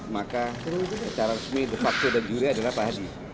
maka secara resmi de facto dan juri adalah pak hadi